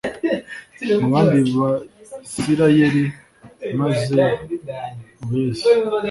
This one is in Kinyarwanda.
mu bandi Bisirayeli maze ubeze